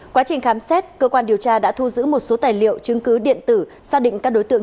quá trình khám xét cơ quan điều tra đã thu giữ một số tài liệu chứng cứ điện tử xác định các đối tượng